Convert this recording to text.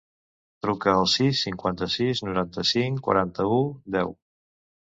Truca al sis, cinquanta-sis, noranta-cinc, quaranta-u, deu.